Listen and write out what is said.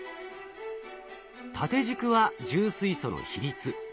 縦軸は重水素の比率。